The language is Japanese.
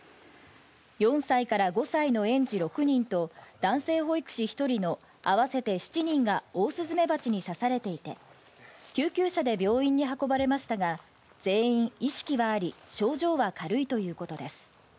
４歳から５歳の園児６人と、男性保育士１人の合わせて７人がオオスズメバチに刺されていて、救急車で病院に運ばれましたが、全員、意識はあり、症状は軽いということです。